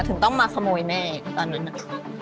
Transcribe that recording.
ถึงต้องมาขโมยแม่ตอนนั้นน่ะ